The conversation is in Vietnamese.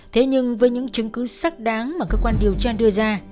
thế nhưng với những chứng cứ sắc đáng mà cơ quan điều tra đưa ra